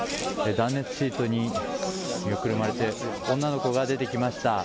断熱シートにくるまれて、女の子が出てきました。